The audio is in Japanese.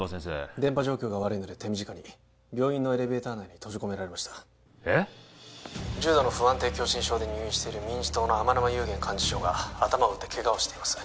電波状況が悪いので手短に病院のエレベーター内に閉じ込められました☎重度の不安定狭心症で入院している☎民自党の天沼夕源幹事長が☎頭を打ってケガをしています